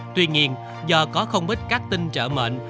tuy nhiên do có không ít các tin trợ mệnh